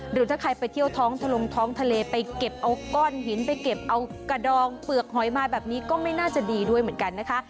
หรือถ้าใครไปเที่ยวท้องทะลงท้องทะเลไปเก็บเอาก้อนหินไปเก็บเอากระดองเปลือกหอยมาแบบนี้ก็ไม่น่าจะดีด้วยเหมือนกันนะคะ